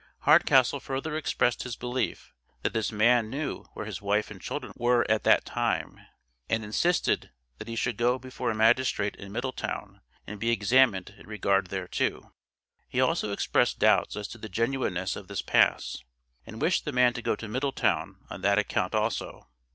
Hardcastle further expressed his belief, that this man knew where his wife and children were at that time, and insisted that he should go before a magistrate in Middletown, and be examined in regard thereto. He also expressed doubts as to the genuineness of this pass, and wished the man to go to Middletown on that account also.